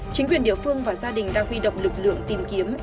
chính quyền địa phương và gia đình đang huy động lực lượng tìm kiếm